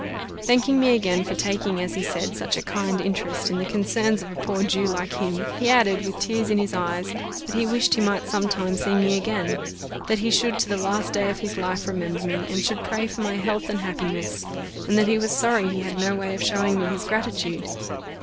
Thanking me again for taking, as he said, such a kind interest in the concerns of a poor Jew like him, he added, with tears in his eyes, that he wished he might some time see me again: that he should to the last day of his life remember me, and should pray for my health and happiness, and that he was sorry he had no way of showing me his gratitude.